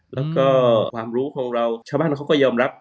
แล้วก็ความรู้ของเราชาวบ้านเขาก็ยอมรับ